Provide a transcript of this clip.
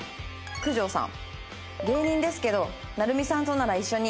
「九条さん」